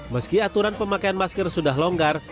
meski aturan pemakaian masker sudah longgar